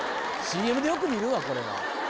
ＣＭでよく見るわこれは。